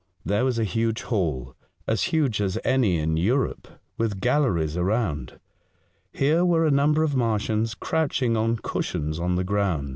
There was a huge hall, as huge as any in Europe, with galleries around. Here were a number of Martians crouching on cushions on the ground.